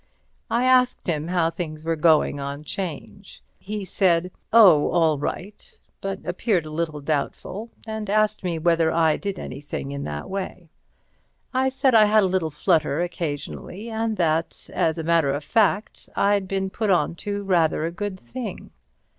I asked him how things were going on 'Change. He said, "Oh, all right," but appeared a little doubtful, and asked me whether I did anything in that way. I said I had a little flutter occasionally, and that, as a matter of fact, I'd been put on to rather a good thing.